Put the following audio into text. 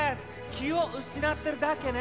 気を失ってるだけね。